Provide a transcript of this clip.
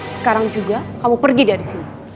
sekarang juga kamu pergi dari sini